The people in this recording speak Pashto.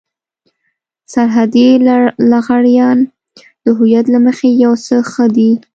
سرحدي لغړيان د هويت له مخې يو څه ښه دي.